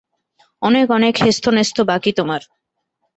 অনেক অনেক হেস্তনেস্ত বাকি তোমার।